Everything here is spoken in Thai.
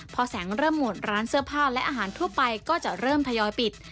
พอแสงเริ่มหมดร้านเสื้อผ้าและอาหารทั่วไปก็จะเริ่มทยอยปิด